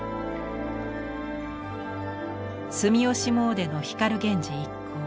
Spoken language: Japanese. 住吉詣の光源氏一行。